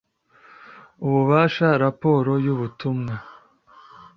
ububasha raporo y ubutumwa